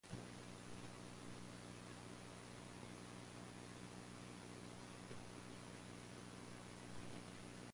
Spring warms the soil and fruit tree blossom dominates the district's orchard areas.